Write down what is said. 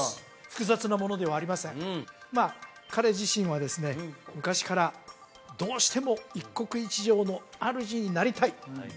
複雑なものではありませんまあ彼自身はですね昔からどうしても一国一城の主になりたい！